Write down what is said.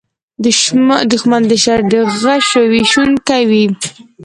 دښمن د شر د غشو ویشونکی وي